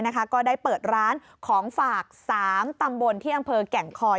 ก็ได้เปิดร้านของฝากสามตำบลที่อันเพิร์นแก่งคอย